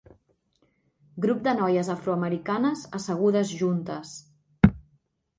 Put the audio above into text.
Grup de noies afroamericanes assegudes juntes